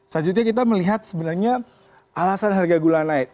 selanjutnya kita melihat sebenarnya alasan harga gula naik